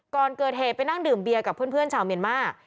ก่อนเกิดเหตุไปนั่งดื่มเบียร์กับเพื่อนชาวเมียนมาร์